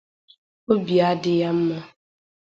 obi adị ya mma